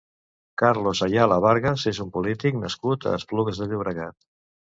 Carlos Ayala Vargas és un polític nascut a Esplugues de Llobregat.